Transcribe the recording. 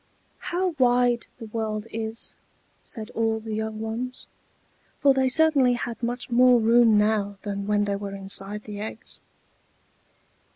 "How wide the world is!" said all the young ones; for they certainly had much more room now than when they were inside the eggs.